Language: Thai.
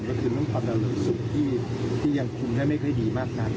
ก็คือเรื่องความดริสุทธิ์ที่ที่ยังคุ้มได้ไม่เคยดีมากนั้น